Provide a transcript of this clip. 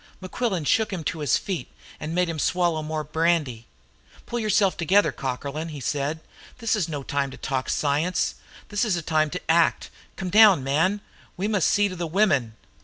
Mequillen shook him to his feet, and made him swallow more brandy. "Pull yourself together, Cockerlyne!" he said. "This is no time to talk science; this is a time to act. Come down, man; we must see to the women!